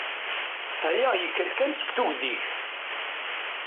Aya yekka-d kan seg tugdi-ik.